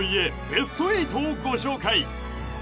ベスト８をご紹介